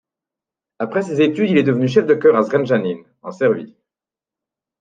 Après ses études, il est devenu chef de chœur à Zrenjanin, en Serbie.